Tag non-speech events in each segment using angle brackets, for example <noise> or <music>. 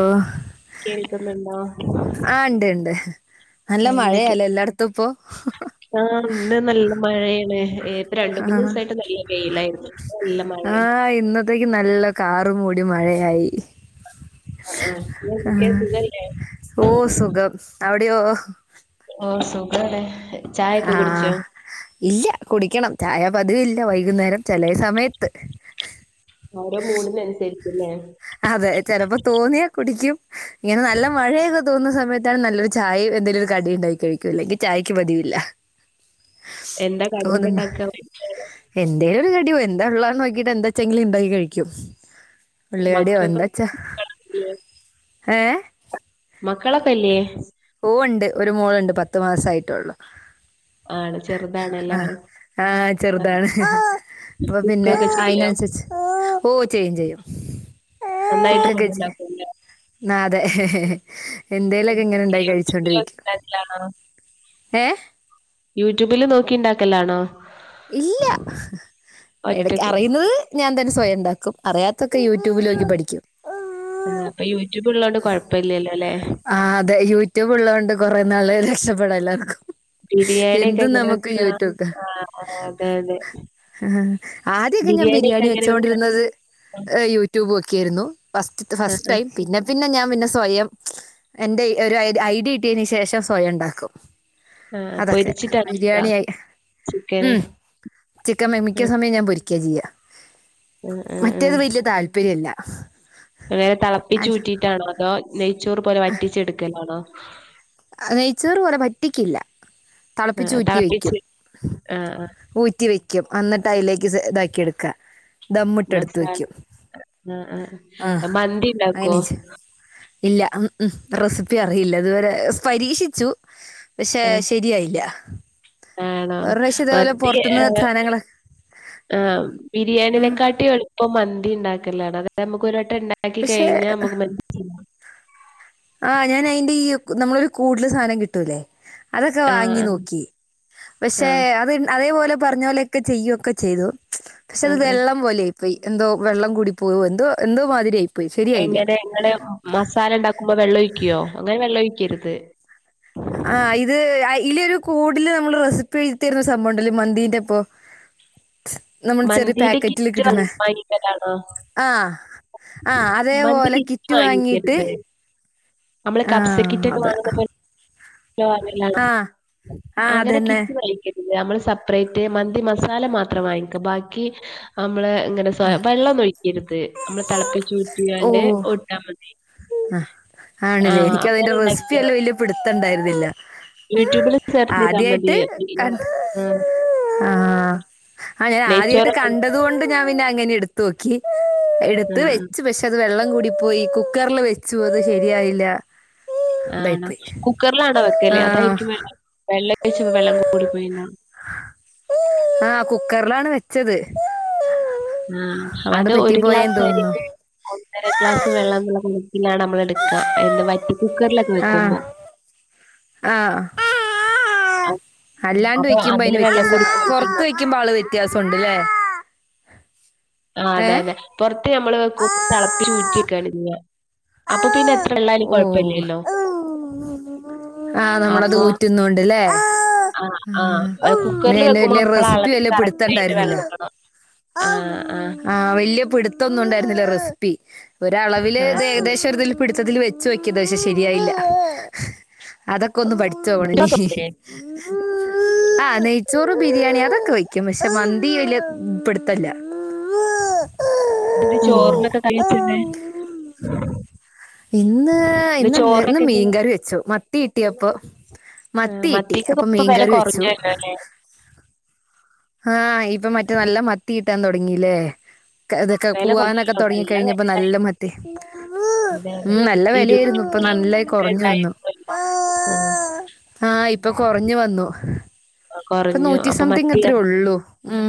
ഓ കേൾക്കുന്ന ഇണ്ടോ ആഹ് ഉണ്ട് ഉണ്ട് നല്ല മഴയല്ല എല്ലായിടത്തും ഇപ്പൊ. ആഹ് ഇന്ന് നല്ല മഴയാണ് ഏ- രണ്ട മൂന്നീസായിട്ട് നല്ല വെയിലായിരുന്നു നല്ല മഴയാ ആഹ് ഇന്ന തെക്കെ നല്ല കാറ് മൂടി മഴയായി. ആഹ് ആഹ് പിന്നെന്തൊക്കെ സുഖല്ലേ ഓ സുഖം. അവിടെയോ? ഓ സുഖാണ്. ചായൊക്കെ കുടിച്ചോ ആഹ് ഇല്ല കുടിക്കണം ചായ പതിവില്ല വൈകുന്നേരം ചെലെ സമയത്ത്. ഓരോ മൂടിനനുസരിച്ചില്ലേ. അതെ ചിലപ്പോ തോന്നിയാ കുടിക്കും. ഇങ്ങനെ നല്ല മഴയ- തോന്നുന്ന സമയത്താണ് നല്ലൊരു ചായ എന്തെങ്കിലും ഒരു കടി ഉണ്ടായി കഴിക്കും അല്ലെങ്കി ചായയ്ക്ക് പതിവില്ല. എന്താ കടിയൊക്കെ തോന്നുന്നോ ഇണ്ടാക്ക വൈകുന്നേരം എന്തേലും ഒരു കടി എന്താ ഉള്ളാന്ന് നോക്കിട്ട് എന്താ വച്ചെങ്കില് ഉണ്ടാക്കി കഴിക്കും. ഉള്ളി വടയോ മക്കക്കൊക്കെ എന്താച്ച ഏഹ് മക്കളൊക്കെല്ലേ. ഓ ഉണ്ട് ഒരു മോളുണ്ട് പത്തു മാസായിട്ടൊള്ളു ആണ് ചെറുതാണല്ലേ ആഹ് ആഹ് ആ ചെറുതാണ്. അപ്പൊ പിന്നെ കുക്കൊക്കെ ചെയ്യോ അയിനനുസരിച്ച് ഓ ചെയ്യും ചെയ്യും. നന്നായിട്ട് ഫുഡ്ണ്ടാക്കുല്ലേ. ന്ന അതെ എന്തേലൊക്കെ ഇങ്ങനെ ഉണ്ടാക്കി കഴിച്ചോണ്ടിരിക്കും. യൂട്യൂബിലൊക്കെണ്ടാക്കലാണോ ഏഹ് യൂട്യൂബില് നോക്കിണ്ടാക്കലാണോ ഇല്ല എടക്ക് ഒറ്റക്ക് അറിയുന്നത് ഞാൻ തന്നെ സ്വയം ഉണ്ടാക്കും അറിയാത്തൊക്കെ യൂട്യൂബിലോക്കി പഠിക്കും ആ ഇപ്പൊ യൂട്യൂബ് ഉള്ളതോണ്ട് കൊഴപ്പല്ലല്ലോ ല്ലേ ആഹ് അതെ യൂട്യൂബ് ഉള്ളകൊണ്ട് കുറെ നാള് രക്ഷപ്പെട എല്ലാവർക്കും ബിരിയാണി ഒക്കെ എങ്ങനെ വെക്കാ ആഹ് അ അതെതെ ആ ആദ്യയൊക്കെ ഞാൻ ബിരിയാണി വെക്കാ? വെച്ചോണ്ടിരുന്നത് യൂട്യൂബ് നോക്യായിരുന്നു ഫസ്റ്റ് ആഹ് ഫസ്റ്റ് ആഹ് ടൈം പിന്നെ പിന്നെ ഞാൻ പിന്നെ സ്വയം എന്റെ ഒരു ഐഡിയ കിട്ടിയതിന് ശേഷം സ്വയം ഉണ്ടാക്കും ആഹ് അതൊക്കെ പൊരിച്ചിട്ടാണോ വെക്കാ ബിരിയാണി ആയി ചിക്കന്? ഉം ചിക്കൻ മി മിക്ക ആഹ് സമയം ഞാൻ പൊരിക്ക ചെയ്യാ ആഹ് ആഹ് മറ്റേത് വല്യ താതാൽപര്യല്ല എങ്ങനെ തളപ്പിച്ചുറ്റീറ്റാണോ അതോ നെയ്ച്ചോറ് പോലെ വറ്റിച്ചെടുക്കലാണോ നെയ്ച്ചോറ് പോലെ വറ്റിക്കില്ല തിളപ്പിച്ച് ആഹ് ഊറ്റി വെക്കും തിളപ്പിച്ച് ആഹ് ആഹ് ഊറ്റി വെക്കും അന്നിട്ട് അതിലേക്ക് സ ഇതാക്കി എടുക്കുക ദമ്മുട്ട എടുത്ത് മസാല വെക്കും ആഹ് ആഹ് ആഹ് മന്തി ഇണ്ടാക്കോ? അയ്നേച്ച് ഇല്ല ഉം ഉം റെസിപ്പി അറിയില്ല ഇതുവരെ സ് പരീക്ഷിച്ചു പക്ഷെ ആഹ് ശരിയായില്ല ആണോ ഒരു പ്രാവശ്യം ഇതേപോലെ മത്തി ഏ പുറത്തുനിന്ന് സാധനങ്ങൾ ആഹ് ബിരിയാണിനെക്കാട്ടി എളുപ്പം മന്തി ഉണ്ടാക്കലാണ് അത് നമുക്ക് ഒരു വട്ടം ഉണ്ടാ പക്ഷെ ആഹ് ഞാൻ അയിന്റെ ഈ നമ്മൾ കൂടുതൽ സാധനം കിട്ടൂല്ലേ അതൊക്കെ ആഹ് വാങ്ങി ആഹ് നോക്കി പക്ഷെ ആഹ് അത് അതേപോലെ പറഞ്ഞ പോലെ - ക്കെ ചെയ്യൊക്കെ ചെയ്തു പക്ഷെ അത് ആഹ് ആഹ് വെള്ളം പോലെയി പെയ് എന്തോ വെള്ളം കൂടി പോയോ എന്തോ എന്തോ മാതിരിയായി എങ്ങനെ ഇങ്ങൾ മസാല ഉണ്ടാക്കുമ്പോ വെള്ളം ഒഴിക്കുവോ അങ്ങനെ വെള്ളം ഒഴിക്കരുത് ആഹ് ഇത് ഇല് ഒരു കൂടില് നമ്മള് റെസിപ്പി എഴുതി തരുന്ന ഒരു സംഭവംമുണ്ടല്ല മന്തിന്റെപ്പോ നമ്മള് ചെറിയ മന്തീന്റെ പാക്കറ്റില് കിറ്റ് വാങ്ങി കിട്ടണേ വാങ്ങിക്കലാണോ? ആ ആഹ് മന്തി അതേപോലെ കിറ്റ് വാങ്ങിട്ട് വാങ്ങിക്കരുത്. നമ്മള് കബ്സക്കിറ്റ് ഒക്കെ വങ്ങുന്ന പോല് വങ്ങിലാല്ലോ ആഹ് ആഹ് അങ്ങനെ അതന്നെ കിറ്റ് വലിക്ക നമ്മള് സെപ്പറേറ്റ് മന്തി മസാല മാത്രം വാങ്ങിക്കും ബാക്കി നമ്മള് ഇങ്ങനെ ആഹ് <unintelligible> വെള്ളം മൊഴിക്കരുത് നമ്മള് തിളപ്പിച്ചുറ്റിയാണ്ട് ഓഹ് ഊട്ടാ മതി ആഹ് ആണില്ലേ ആഹ് എനിക്ക് അങ്ങനെ അതിന്റെ ഇണ്ടാക്കിയാ റെസിപ്പില്ലാം വലിയ പിടുത്തം ഉണ്ടായിരുന്നില്ല യൂട്യൂബില് സെർച്ച് ചെയ്താ മതി. ആദ്യായിട്ട് കണ്ട് ആഹ് ആഹ് ആ ഞാൻ ആദ്യവായിട്ട് നെയ്ച്ചോറൊക്കെ ഇണ്ട കണ്ടത് കൊണ്ട് ഞാൻ പിന്നെ അങ്ങനെ എടുത്തു നോക്കി എടുത്ത് ആഹ് വെച്ച് പക്ഷെ പ്പെ അത് വെള്ളം കൂടിപ്പോയി കുക്കറില് വെച്ചു അത് ശരിയായില്ല ആണോ ഇതായിപ്പോയി കുക്കറിലാണോ വെക്കല്ലേ അതായിരിക്കും ആഹ് വെള്ളം വെള്ളം കഴിച്ച വെള്ളം കൂടിപ്പോയിണ്ട ആഹ് കുക്കറിലാണ് വെച്ചത് ഉം അതാണ്ട് അത് പറ്റി ഒരു പോയേന്ന് ഗ്ലാസ്സ് തോന്നുന്നു അരിക്ക് ഒന്നര ക്ലാസ് വെള്ളം എന്നുള്ള കണക്കിലാണ് നമ്മൾ എടുക്കുക അയിന്റെ വറ്റി കുക്കറിലൊക്കെ വെക്കുമ്പോ ആഹ് ആ അല്ലാണ്ട് വെക്കുമ്പോ അതിന് വ്യത്യാസം ആ പുറത്ത് പോയിട്ടുണ്ടാവും. വെക്കുമ്പോ ആള് വ്യത്യാസംവുണ്ട്ല്ലേ ആ അതെ അതെ പുറത്ത് നമ്മള് വെക്കും തിളപ്പിച്ചുറ്റിക്കാണ്ല്ലെ അപ്പൊ പിന്നെ എത്ര വെള്ളയാലും കുഴപ്പ ഇല്ലല്ലോ ആഹ് നമ്മളത് അപ്പൊ ഊറ്റുന്നുണ്ട്ല്ലേ ആ ആ കുക്കറിൽ വെക്കുമ്പോ വലിയ നമ്മൾ റെസിപ്പി അളവില് വല്ല കറക്റ്റ് ആയിട്ട് പിടുത്തണ്ടായിരുന്നില്ല വെള്ളടുക്കണം ആ വലിയ പിടുത്തൊന്നും ഉണ്ടായിരുന്നില്ല റെസിപ്പി ഒരളവില് ദേഗദേശം ത്തില് പിടുത്തത്തില് വെച്ച് നോക്കിയതാ പക്ഷെ ശരിയായില്ല അതൊക്കെ ഒന്ന് പടി ചുവണനി ഹി ഹി <inaudible> ആഹ് നെയ്ച്ചോറ് ബിരിയാണി അതൊക്കെ വെയ്ക്കും പക്ഷെ മന്തി വലിയ പിടുത്തവില്ല ഇതിന്റെ ചോറിനൊക്കെ കഴിച്ചിട്ടെ ഇന്ന് ഇന്നെന്തെ ഇന്ന് ചോറിനൊക്കെ എന്താ മീൻകറി വെച്ചു മത്തി കിട്ടിയപ്പോ ആഹ് മത്തി കീട്ടി മത്തിക്കൊക്കെ അപ്പൊ ഇപ്പൊ വെല മീൻകറി വെച്ചു കൊറഞ്ഞല്ലോ അല്ലേ? ആഹ് ഇപ്പൊ മറ്റേ നല്ല മത്തി കിട്ടാൻ തുടങ്ങില്ലേ കതൊക്കെ വെല പുവാനൊക്കെ കൊറഞ്ഞല്ലോ തുടങ്ങി നല്ല കഴിഞ്ഞപ്പോ വെലണ്ടായി നല്ല മത്തി അതെ അതെ. ഉം നല്ല വിലയായിരുന്നു ഇരുന്നൂറ്റി ഇപ്പൊ നല്ലായി ഒക്കെ കൊറഞ്ഞു വന്നു ഇണ്ടായിരുന്നല്ലോ. ആഹ് ആഹ് ഇപ്പൊ കൊറഞ്ഞു വന്നു കൊറഞ്ഞു. അപ്പൊ ഇനൂറ്റിസതിങ് മത്തി എത്രയേ ഉള്ളു ഉം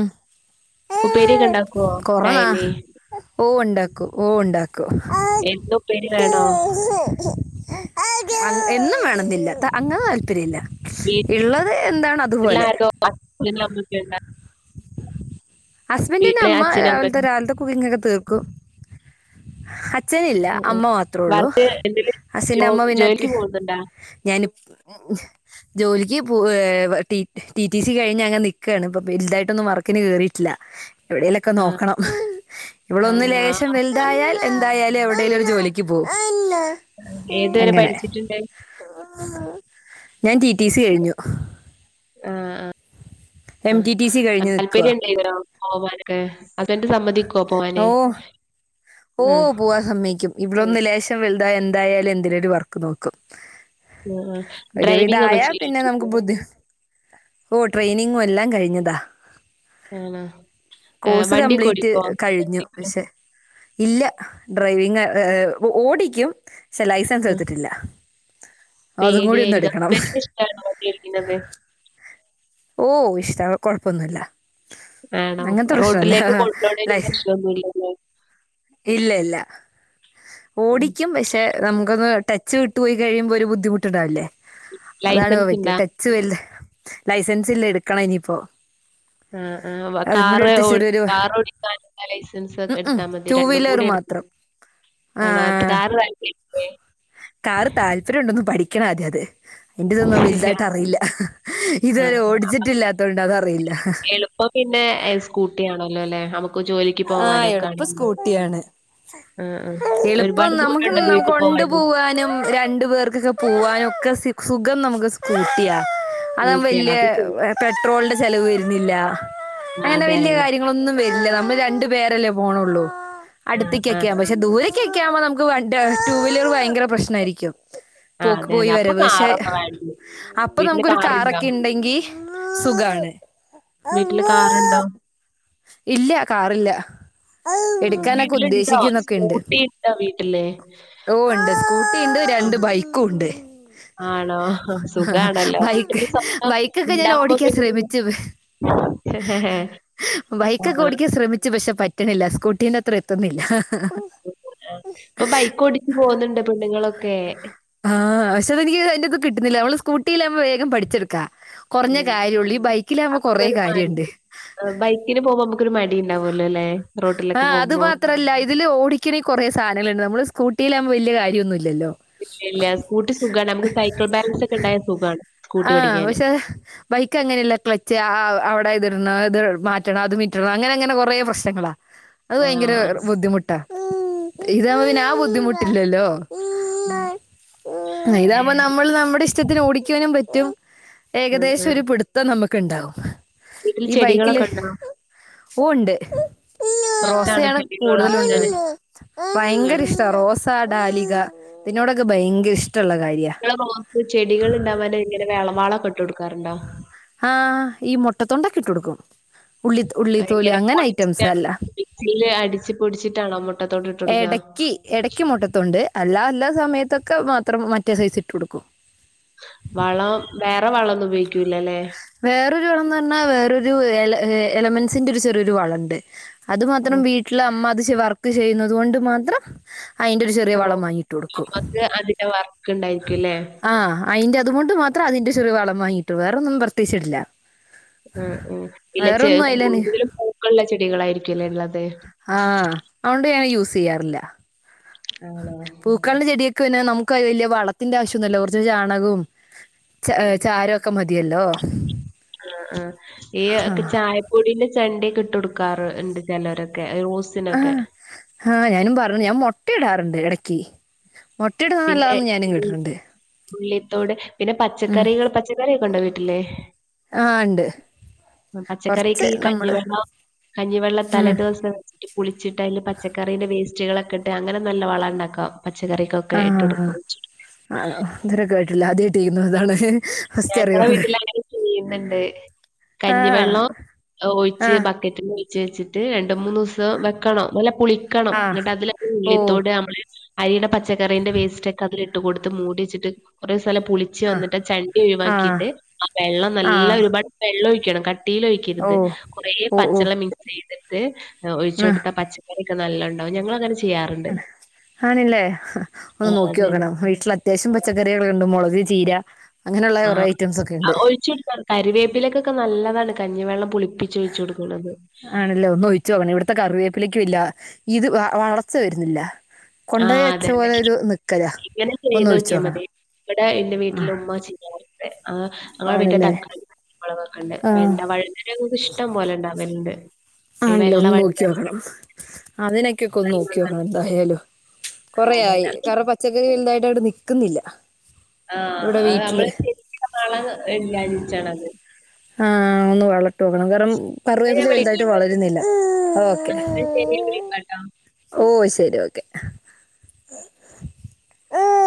ഉപ്പേരിയൊക്കെ ഉണ്ടാക്കുവോ കൊറനാ ഡയലി ഓ ഉണ്ടാക്കും ഓ ഉണ്ടാക്കും എന്നും ഉപ്പേരി വേണോ? അന്ന് എന്നും വേണെന്നില്ല ത അങ്ങനെ താല്പര്യയില്ല യിള്ളത് എന്താണ് അതുപോലെ പ <inaudible> ഹസ്ബന്റിന്റെ വീട്ടില് അമ്മ അച്ഛനും രാവിലത്തെ അമ്മയും രാവിലത്തെ കുക്കിംഗ് ഒക്കെ തീർക്കും അച്ഛനില്ല ആഹ് അമ്മ ആഹ് മാത്രം ഉള്ളൂ വർക്ക് എന്തേലും ജോ അച്ഛന്റെ അമ്മ പിന്നെ ത്തി ജോലിക്ക് പോകുന്നുണ്ടാ? ഞാനും ഓ <inaudible> ജോലിക്ക് പോ ടി ടി ടി സി കഴിഞ്ഞ് അങ്ങ് നിക്കയാണ് ഇപ്പൊ വലുതായിട്ടൊന്നും വർക്കിന് കേറിയിട്ടില്ല എവിടെലൊക്കെ ആഹ് നോക്കണം ഇവളൊന്ന് ലേശം ആണോ ആഹ് വലുതായ എൽ എന്തായാലും എവിടെലും ഒരു ജോലിക്ക് പോകും ഏതുവരെ അങ്ങനെ പഠിച്ചിട്ടുണ്ട് ഞാൻ ടി ടി സി കഴിഞ്ഞു ആ ആ എം ടി ടി സി ആ കഴിഞ്ഞ് നിൽക്കുക താല്പര്യം ഉണ്ടയിന്നൊ പോവാനൊക്കെ ഹസ്ബന്റ് സമ്മതിക്കുവോ പോവാനെ ഓഹ് പോവാൻ സമ്മയ്ക്കും ഇവളൊന്ന് ലേശം വലുതായാല് എന്തായാലും എന്തേലൊരു വർക്ക് നോക്കും ആഹ് ആഹ് ഡ്രൈവിംഗ് ഒക്കെ ഒരുവിധായ പിന്നെ ചെയ്തിട്ടുണ്ടോ? നമുക്ക് ബുദ്ധി ഓഹ് ട്രെയിനിങ്ങും എല്ലാം കഴിഞ്ഞതാ ആണോ ഏഹ് കോഴ്സ് വണ്ടിയൊക്കെ കംപ്ലീറ്റ് ഓടിക്കോ? കഴിഞ്ഞു പക്ഷെ ഇല്ല ഡ്രൈവിങ്ങ് എഹ് എഹ് ഒ ഓടിക്കും പക്ഷെ ലൈസൻസ് എടുത്തിട്ടില്ല അതും കൂടി ഒന്ന് പേടിയാരിക്കും എടുക്കണം അത്രയ്ക്കിഷ്ട്ടാണോ വണ്ടിയോടിക്കുന്നത് ഓഹ് ഇഷ്ടാണ് കൊഴപ്പൊന്നുവില്ല ആണോ റോട്ടിലേക്ക് കൊണ്ട്പോണേന് ലൈഫ് പ്രശ്നോന്നും ഇല്ലല്ലേ ഇല്ല ഇല്ല ഉം ഓടിക്കും പക്ഷെ നമുക്കൊന്ന് ടച്ച് വിട്ടുപോയി കഴിയുമ്പോ ഒരു ബുദ്ധിമുട്ടുണ്ടാവില്ലേ അതാണ് ഇപ്പ ലൈസൻസ് ഇണ്ടാ? പറ്റിയത് ടച്ച് വല്താ ലൈസൻസ് ഇല്ല എടുക്കണം ഇനിപ്പോ <inaudible> ആഹ് ആഹ് വ കാറ് ഓട് ചെറിയൊരു കാറ് ഓടിക്കാൻ ഇള്ള ലൈസൻസ് എടുത്താ മതി ടൂ രണ്ടും വീലർ കൂടി എടുത്താ മതി മാത്രം ആ ആണോ അപ്പ കാറ് വാങ്ങിയ്ക്കണില്ലേ സ്രണ്ടൊന്ന്ന് പഠിക്കണം ആദ്യാത് അതിന്റെ ഇതൊന്നും വല്തായിട്ട് അറിയില്ല ആഹ് ഇതുവരെ ആഹ് ഓടിച്ചിട്ടില്ലാത്ത കൊണ്ട് അതറിയില്ല എളുപ്പം പിന്നെ എഹ് സ്കൂട്ടി ആണല്ലോ അല്ലെ നമുക്ക് ജോലിക് ആഹ് എളുപ്പം സ്കൂട്ടിയാണ് ആഹ് ആഹ് എളുപ്പം ഒരുപാട് നമുക്ക് ദൂരണ്ടോ നമുക്ക് വീട്ടിൽ കൊണ്ടു പോവാന്? പോവാനും രണ്ടു പേർക്ക് ക്കക്ക പോവാനൊക്കെ സി സുഖം നമുക്ക് സ്കൂട്ടിയ അതാകുമ്പ സ്കൂട്ടിയാണ് വല്യ അത് ശരി പെട്രോളിന്റെ ചെലവ് വരുന്നില്ല ആഹ് അങ്ങനെ അതെ അതെ വല്യ കാര്യങ്ങളൊന്നും വരില്ല നമ്മൾ രണ്ട് പേരല്ലേ പോണൊള്ളൂ ആ, ആ, അടുത്തേക്കയ്ക്കെ ആകുമ്പോ ശ് പക്ഷെ ദൂരേയ്ക്ക്‌ ഒക്കെ ആകുമ്പോ നമുക്ക് വൺട് ടു വീലർ ഭയങ്കര പ്രശ്നാരിക്കും ആ, പോക്ക്‌ അതെ പോയി അതെ അപ്പൊ വരവ് പക്ഷെ കാറൊക്കെ വേണ്ടി അപ്പൊ വീട്ടില് നമുക്കൊരു കാറുണ്ടോ കാറൊക്കെ ഇണ്ടെങ്കി സുഖാണ് വീട്ടില് കാറുണ്ടോ ഇല്ല കാറില്ല എടുക്കാനൊക്കെ ഉദ്ദേശിക്കുന്നൊക്കെ ഉണ്ട് ണ്ടാ വീട്ടില് ഓഹ് ണ്ട്. സ്കൂട്ടി ണ്ട് ആ, രണ്ട് ബൈക്കൂണ്ട് ആണോ സുഖാണല്ലോ വീട്ടിന്ന് സ്വന്തം ബൈക്കൊക്കെ ഞാൻ ഉണ്ടാവുമ്പം ഓടിക്കാൻ പിന്നെ ശ്രമിച്ചു <unintelligible> ഹെ ഹെ ഹേ ബൈക്കൊക്കെ ഓടിക്കാൻ ശ്രമിച്ചു പക്ഷെ പറ്റ്ണില്ല സ്കൂട്ടീന്റെ അത്ര എത്തുന്നില്ല ആഹ്. ഇപ്പം ബൈക്ക് ഓടിച്ചു പോകുന്നുണ്ട് പെണ്ണുങ്ങളൊക്കെ ആഹ് പക്ഷേ അത് എനിക്ക് അതിന്റിത് കിട്ടുന്നില്ല നമ്മള് സ്കൂട്ടിലാവുമ്പം വേഗം പഠിച്ചെടുക്കാ കൊറഞ്ഞ ഉം. കാര്യൊ ഒള്ളു. ഈ ബൈക്കിലാകുമ്പോ കൊറേ കാര്യണ്ട് ആഹ് ബൈക്കിന് പോകുമ്പം നമുക്കൊരു മടി ണ്ടാവല്ലോ ല്ലെ ആഹ് അത് മാത്രല്ല. ഇതില് ഓടിക്കണെ കൊറെ സാനങ്ങള്ണ്ട് നമ്മള് സ്കൂട്ടില് ആകുമ്പോ വല്യ കാര്യൊന്നും ഇല്ലല്ലോ ഇല്ല ഇല്യ സ്കൂട്ടി സുഖാണ് നമുക്ക് സൈക്കിൾ ബാലൻസൊക്കെ ഇണ്ടായാ സുഖാണ്. സ്കൂട്ടി ആഹ് ഓടിക്കാന് പക്ഷേ ബൈക്ക് അങ്ങനെയല്ല. ക്ലച്ച് ആഹ് ആഹ് അവിടെ ഇതിടണം ഇത് മാറ്റണം അത് മിറ്റണം അങ്ങനെ അങ്ങനെ കൊറേ പ്രശ്നങ്ങളാ അത് ആ ഭയങ്കര ർ ബുദ്ധിമുട്ടാ ഇതാകുമ്പം അതെ. പിന്നെ ആ ബുദ്ധിമുട്ടില്ലല്ലോ ഉം. ഇതാകുമ്പം നമ്മള് നമ്മുടെ ഇഷ്ടത്തിന് ഓടിയ്ക്കാനും പറ്റും ഉം ഏകദേശം ഉം ഒരു പിടുത്തം നമുക്ക്ണ്ടാവും. വീട്ടിൽ ഈ ബൈക്കില് ചെടികളൊക്കെ ഉണ്ടോ ഫൂ ഉണ്ട് ഇഷ്ടാണോ റോസയാണ് ചെടികൾ കൂടുതലും വളർത്താന് ഉണ്ടാവാ. ഭയങ്കര ആണോ ഇഷ്ടാ റോസ് സാ ഡാലിക ഇതിനോടൊക്കെ ഭയങ്കര ഇഷ്ട്ടള്ള കാര്യാ നിങ്ങള് റോസ് ചെടികള് ഇണ്ടാവാന് ഇങ്ങനെ വെള വളൊക്കെ ഇട്ടൊടുക്കാറുണ്ടോ? ആഹ് ഈ മുട്ട തൊണ്ടൊക്കെ ഇട്ട് കൊടുക്കും ഉള്ളി ഉള്ളിത്തോലി ഇങ്ങനെ അങ്ങനെ ഐറ്റംസ് പൊടിച്ചിട്ടാണോ അല്ലാ <unintelligible> അടിച്ച് പൊടിച്ചിട്ടാണൊ മൊ എടയ്ക്ക് എടയ്ക്ക്‌ മുട്ടത്തൊണ്ട് അല്ലാ അല്ലാത്ത സമയത്തൊക്കെ മാത്രം മറ്റേ സൈസ് ഇട്ട് കൊടുക്കും വളം വേറെ വളൊന്നും ഉപയോഗിക്കൂല ലേ വേറൊരു വളം ന്ന് പറഞ്ഞാ വേറൊരു എല ഏഹ് എലമെന്സിന്റെ ഒരു ചെറിയൊരു വള ണ്ട്. അത് മാത്രം ഉം വീട്ടില് അമ്മ അത് ചെ വർക്ക് ചെയ്യുന്നതുകൊണ്ട് മാത്രം അയിന്റെ ഒരു ചെറിയ ഓ വളം വാങ്ങി ഇട്ട് കൊടുക്കും അമ്മക്ക് അതിന്റെ വർക്ക് ഇണ്ടായ്ര്ക്കു ലെ അയ്ന്റെ അതുകൊണ്ട് മാത്രം അതിന്റെ ചെറിയ വളം വാങ്ങിട്ടു കൊ വേറൊന്നും പ്രത്യേച്ചിടില്ല ഉം ഉം ഇലച്ച് അയിലന് കൂടുതലും പൂക്കളുള്ള ചെടികളായിരിക്കുംല്ലേ ള്ളത്. ആഹ് അതോണ്ട് ഞാന് യൂസയ്യാറില്ല ആണോ പൂക്കളിന്റെ ചെടിയേക്ക് പിന്നെ നമുക്ക് വലിയ വളത്തിന്റെ ആവശ്യമൊന്നുല്ല കുറച്ച് ചാണകും ച ചാരൊക്കെ മതിയല്ലോ ആഹ് ആഹ്. ഈ ആ ചായപ്പൊടിന്റെ ചണ്ടിയൊക്കെ ഇട്ട് കൊടുക്കാ റ് ഇണ്ട് ചെലരൊ ക്കെ റോസിനൊക്കെ ആഹ് ആഹ് ഞാനും പറഞ്ഞു ഞാൻ മൊട്ടയിടാറ്ണ്ട് എടക്ക് മുട്ടയിടുന്ന നല്ലതാന്ന് ഞാനും പിന്നെ കേട്ടിട്ടുണ്ട്. ഉള്ളിത്തോട്, പിന്നെ പച്ചക്കറികൾ പച്ചക്കറിയൊക്കെ ഉണ്ടോ വീട്ടില്? ആഹ് ണ്ട്. ഉം പച്ചക്കറിക്ക് ഈ കഞ്ഞിവെള്ളം കഞ്ഞിവെള്ളം തലേ ഉം ദിവസം വെച്ചിട്ട് പുൾച്ചിട്ട് അയില് പച്ചക്കറീന്റെ വേസ്റ്റുകളൊക്കെ ഇട്ട് അങ്ങനെ നല്ല വള ണ്ടാക്കാം പച്ചക്കറിക്കൊ ആഹ്. ആഹ് ഇത് വരെ കേട്ടില്ല ആദ്യായിട്ട് <unintelligible> ഞങ്ങളെ അറിവാണ് വീട്ടില് അങ്ങനെ ചെയ്യുന്നുണ്ട്. ആഹ് കഞ്ഞിവെള്ളം ഒഴിച്ച് ആഹ് ബക്ക റ്റ്ല് ഒഴ്ച്ച് വെച്ചിട്ട് രണ്ട് മൂന്നുസം വെക്കണം നല്ല പുളിക്കണം ആഹ് എന്നിട്ട് അതില ഓ ഉള്ളി ത്തോട് നമ്മള് അരിയുടെ പച്ചക്കറീന്റെ വേസ്റ്റ് ഒക്കെ അതിൽ ഇട്ട് കൊടുത്ത് മൂടി വെച്ചിട്ട് കുറെ സ്ഥലം പുളിച്ച് ആഹ് വന്നിട്ട് ച ആഹ് ഒഴിവാക്കീട്ട് ആ വെള്ളം നല്ല ആഹ് ഒരുപാട് വെള്ളം ഒഴിക്കണം കട്ടിയിൽ ഒഴി ഓ ക്കരുത് കുറെ ഓ ഓ പച്ചള്ളം മിക്സെയ്തിട്ട് ഒഴിച്ച് ആഹ് കൊടുത്താ പച്ച പക്കറിയൊക്കെ നല്ലണ്ടാവും ഞങ്ങളങ്ങനെ ചെ ആഹ് ആണില്ലെ ഒന്ന് അതായത് നോക്കിയോക്കണം വീട്ടില ത്യാവശ്യം പച്ചക്കറികളുണ്ട് മുളക് ചീര അങ്ങനെയുള്ള കൊറെ ഐറ്റംസൊക്കെ ഇണ്ട്. കരിവേപ്പിലൊക്കൊക്കെ നല്ലതാണ് കഞ്ഞിവെള്ളം പുളിപ്പിച്ച് ഒയിച്ചു കൊടുക്കണത് ആണല്ലോ ഒന്ന് ഒഴിച്ചു നോക്കണം ഇവിടത്തെ കറിവേപ്പിലേക്കും ഇല്ല ഇത് വളർച്ച വരുന്നില്ല കൊണ്ടോയ് ആഹ് വെച്ച അതെ അതെ പോലെ ഒരു നിക്കലാ ഇങ്ങനെ ചെയ്ത് ഒന്ന് ഒഴിച്ചു നോക്കിയാ നോക്കണം മതി. ഇവിടെ എന്റെ ആ വീട്ടില ഉമ്മ <unintelligible> ആഹ് ആ വീട്ടിലെ ആണല്ലേ തക്കാളി മുളവൊക്കെ ഉണ്ട് ആ വെണ്ട വഴുതന നമുക്ക് ഇഷ്ടം പോലെ ഉണ്ടാവല്ണ്ട് ആണല്ലോ ഒന്ന് നോക്കി നോക്കണം അതിനൊക്കെയൊക്കെ ഒന്ന് നോക്കിയോക്കണം എന്തായാലും കുറെയായി കാരണം പച്ചക്കറി വലുതായിട്ട് അവിടെ നിക്കുന്നില്ല ആഹ് അത് നമ്മള് ശരിക്ക് <unintelligible> വളം ഇല്ലാനിട്ടാണത് ആഹ് ഒന്ന് വളം ഇട്ടു നോക്കണം വെറും കറി എന്നാ വേപ്പില ഞാൻ വലുതായിട്ട് വിളിക്കാട്ടോ. വളരുന്നില്ല അത് ഓക്കെ എന്നാ ശരി ഞാൻ വിളിക്കാട്ടോ. ഓ ശെരി ഓക്കെ